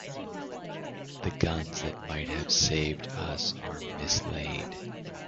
The guns that might have saved us are mislaid.